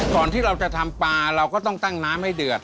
ก่อนที่เราจะทำปลาเราก็ต้องตั้งน้ำให้เดือด